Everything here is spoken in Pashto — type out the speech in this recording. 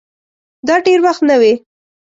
دا دېر وخت نه وې